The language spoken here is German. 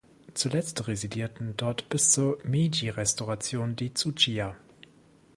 Zuletzt residierten dort bis zur Meiji-Restauration die Tsuchiya.